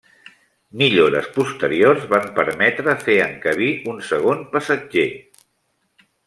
Millores posteriors van permetre fer encabir un segon passatger.